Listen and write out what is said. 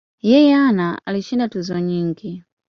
Yeye ana alishinda tuzo nyingi.